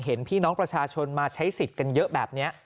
เห็นพี่น้องประชาชนมาใช้สิทธิ์กันเยอะแบบนี้